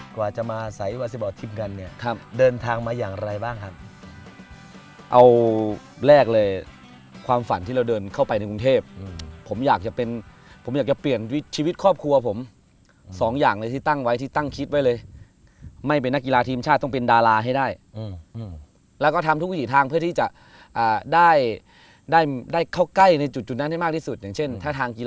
กว่าจะมาใส่วาซิบอร์ดทีมกันเนี่ยเดินทางมาอย่างไรบ้างครับเอาแรกเลยความฝันที่เราเดินเข้าไปในกรุงเทพผมอยากจะเป็นผมอยากจะเปลี่ยนชีวิตครอบครัวผมสองอย่างเลยที่ตั้งไว้ที่ตั้งคิดไว้เลยไม่เป็นนักกีฬาทีมชาติต้องเป็นดาราให้ได้แล้วก็ทำทุกวิถีทางเพื่อที่จะได้ได้เข้าใกล้ในจุดนั้นให้มากที่สุดอย่างเช่นถ้าทางกี